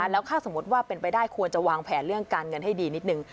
แล้วถ้าสมมุติว่าเป็นไปได้ควรจะวางแผนเรื่องการเงินให้ดีนิดนึง